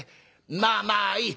まあまあいい。